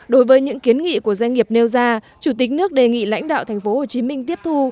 đối với những kiến nghị của doanh nghiệp nêu ra chủ tịch nước đề nghị lãnh đạo thành phố hồ chí minh tiếp thu